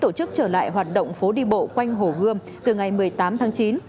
đồng ý tổ chức trở lại hoạt động phố đi bộ quanh hổ gươm từ ngày một mươi tám tháng chín